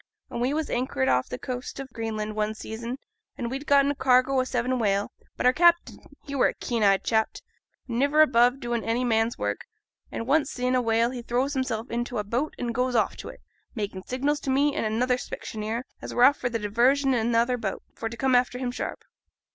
An' we was anchored off t' coast o' Greenland one season, an' we'd getten a cargo o' seven whale; but our captain he were a keen eyed chap, an' niver above doin' any man's work; an' once seein' a whale he throws himself int' a boat an' goes off to it, makin' signals to me, an' another specksioneer as were off for diversion i' another boat, for to come after him sharp.